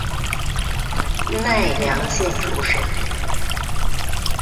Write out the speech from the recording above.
奈良县出身。